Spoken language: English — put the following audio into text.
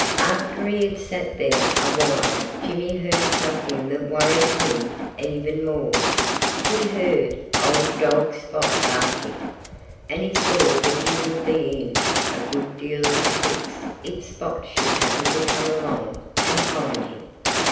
After he had sat there a while Jimmy heard something that worried him even more. He heard old dog Spot barking. And he saw that he would be in a good deal of a fix if Spot should happen to come along and find him.